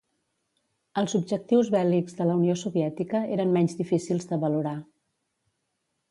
Els objectius bèl·lics de la Unió Soviètica eren menys difícils de valorar.